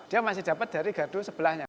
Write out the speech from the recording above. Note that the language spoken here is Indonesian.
dia masih dapat dari gardu sebelahnya